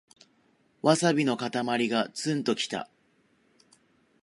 ワサビのかたまりがツンときた